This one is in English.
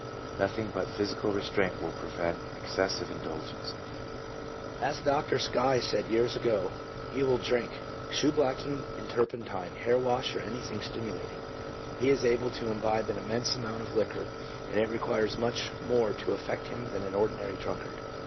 Nothing but physical restraint will prevent excessive indulgence. As Dr. Skie said years ago, he will drink "shoe blacking and turpentine, hair wash or anything stimu lating." He is able to imbibe an immense amount of liquor, and it requires much more to affect him than an ordinary drunkard.